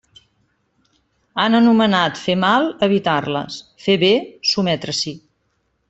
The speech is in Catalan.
Han anomenat fer mal evitar-les, fer bé sotmetre-s'hi.